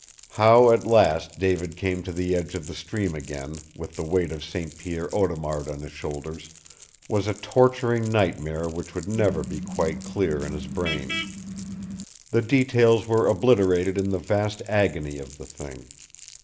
How at last David came to the edge of the stream again, with the weight of St. Pierre Audemard on his shoulders, was a torturing nightmare which would never be quite clear in his brain. The details were obliterated in the vast agony of the thing.